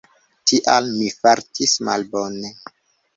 Tial mi fartis malbone.